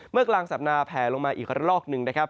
กลางสัปดาห์แผลลงมาอีกระลอกหนึ่งนะครับ